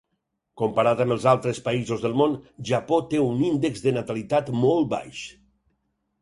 Comparat amb els altres països del món, Japó té un índex de natalitat molt baix.